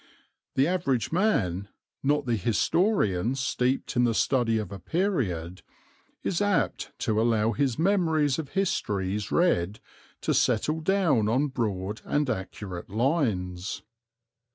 The average man, not the historian steeped in the study of a period, is apt to allow his memories of histories read to settle down on broad and accurate lines.